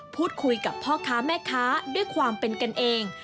พูดคุยกับพ่อค้าแม่ค้าด้วยความเป็นกันเอง